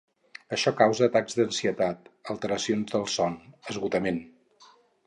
Això causa atacs d’ansietat, alteracions del son, esgotament.